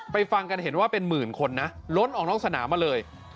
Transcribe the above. ฟังกันเห็นว่าเป็นหมื่นคนนะล้นออกนอกสนามมาเลย